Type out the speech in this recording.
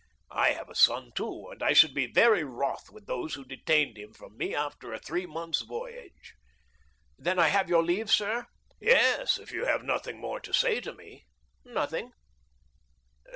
I have a son too, and I should be very wroth with those who detained him from me after a three months' voyage." "Then I have your leave, sir?" "Yes, if you have nothing more to say to me." "Nothing."